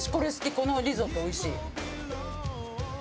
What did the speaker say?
このリゾットおいしい。